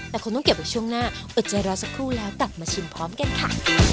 แต่คงต้องเก็บไว้ช่วงหน้าอดใจรอสักครู่แล้วกลับมาชิมพร้อมกันค่ะ